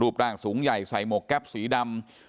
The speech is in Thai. ร่างสูงใหญ่ใส่หมวกแก๊ปสีดำ